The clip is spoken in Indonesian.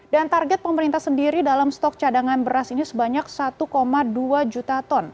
dan target pemerintah sendiri dalam stok cadangan beras ini sebanyak satu dua juta ton